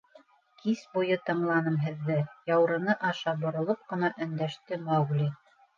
— Кис буйы тыңланым һеҙҙе, — яурыны аша боролоп ҡына өндәште Маугли.